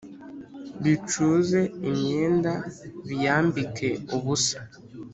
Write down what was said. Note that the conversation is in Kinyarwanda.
Bicuze imyenda biyambike ubusa